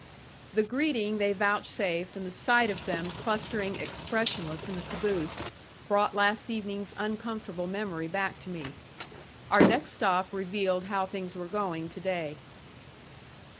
The greeting they vouchsafed and the sight of them clustering expressionless in the caboose brought last evening's uncomfortable memory back to me. Our next stop revealed how things were going to day.